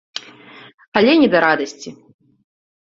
Але не ад радасці.